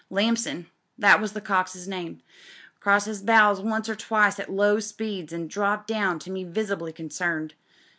Lamson — ^that was the cox*s name — crossed 'is bows once or twice at low speeds an' dropped down to me visibly concerned.